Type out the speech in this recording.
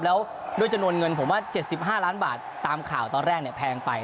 แล้วด้วยจำนวนเงินผมว่า๗๕ล้านบาทตามข่าวตอนแรกแพงไป